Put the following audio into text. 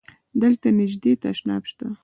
دلته نژدی تشناب شته؟